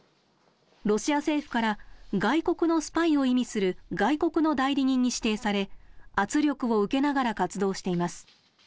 ロシア政府から、外国のスパイを意味する、外国の代理人に指定され、圧力を受けながら活動しています。